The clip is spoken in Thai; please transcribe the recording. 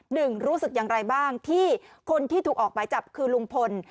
หนึ่งรู้สึกอย่างไรบ้างที่คนที่ถูกออกหมายจับคือลุงพล